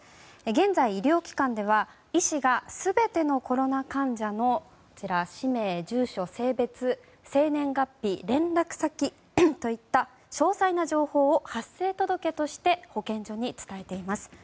現在、医療機関では医師が全てのコロナ患者の氏名、住所、性別、生年月日連絡先といった詳細な情報を発生届として保健所に伝えています。